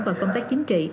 và công tác chính trị